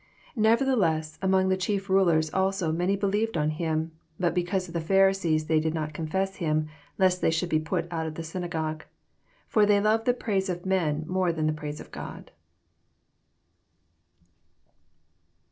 42 Neyertheless among the ehief mlers also many believed on him: bat because of the Pharisees they did not confess Mm, lest they should be put out of the synagogue: 43 For they loved the praise of meo more than the praise of Qod.